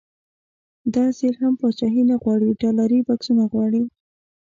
دا ځل هم پاچاهي نه غواړي ډالري بکسونه غواړي.